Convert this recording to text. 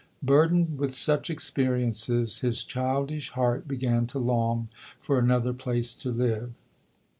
Burdened with such experiences, his childish heart began to long for another place to live.